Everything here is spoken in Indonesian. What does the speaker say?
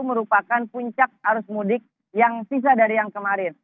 merupakan puncak arus mudik yang sisa dari yang kemarin